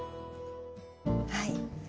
はい。